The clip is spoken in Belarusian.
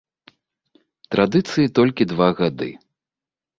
Традыцыі толькі два гады.